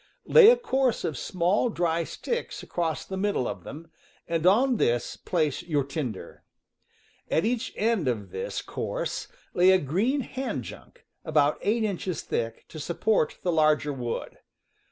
Lay a course of small, dry sticks across the middle of them, and on this place your tinder. At each end of this course lay a green hand junk, about eight inches thick, to support the larger wood.